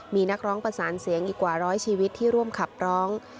มีนักร้องประสานเสียงอีกกว่าร้อยชีวิตที่ร่วมขับร้อง